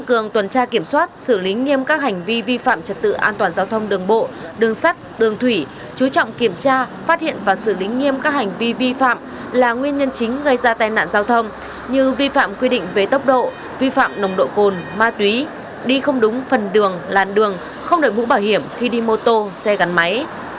phát hiện và xử lý nghiêm các hành vi vi phạm là nguyên nhân chính gây ra tai nạn giao thông như vi phạm quy định về tốc độ vi phạm nồng độ cồn ma túy đi không đúng phần đường làn đường không đợi vũ bảo hiểm khi đi mô tô xe gắn máy